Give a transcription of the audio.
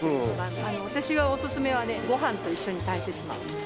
私のお勧めはね、ごはんと一緒に炊いてしまう。